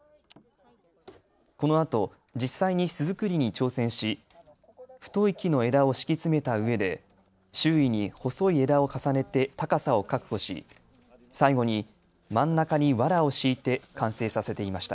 このあと実際に巣作りに挑戦し太い木の枝を敷き詰めたうえで周囲に細い枝を重ねて高さを確保し最後に真ん中にわらを敷いて完成させていました。